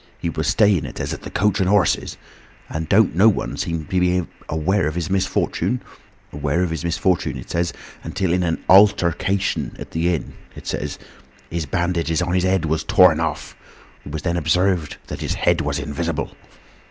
He was staying, it says, at the 'Coach an' Horses,' and no one don't seem to have been aware of his misfortune, it says, aware of his misfortune, until in an Altercation in the inn, it says, his bandages on his head was torn off. It was then ob served that his head was invisible.